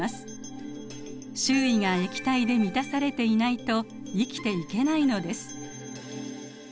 周囲が液体で満たされていないと生きていけないのです。